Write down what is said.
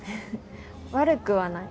悪くはない。